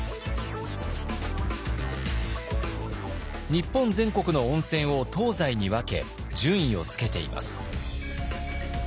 日本全国の温泉を東西に分け順位をつけています。